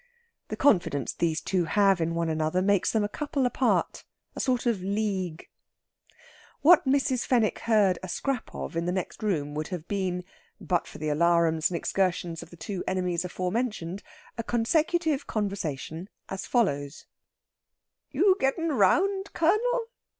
The confidence these two have in one another makes them a couple apart a sort of league. What Mrs. Fenwick heard a scrap of in the next room would have been, but for the alarums and excursions of the two enemies aforementioned, a consecutive conversation as follows: "You're gettin' round, Colonel?"